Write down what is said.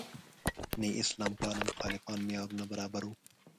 نه یې اسلام پاله مخالفان معیارونو برابر وو.